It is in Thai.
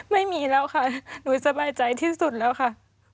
ไม่มีแล้วค่ะหนูสบายใจที่สุดแล้วค่ะ